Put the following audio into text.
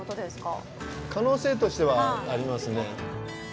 可能性としてはありますね。